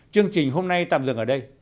chương trình hôm nay tạm dừng ở đây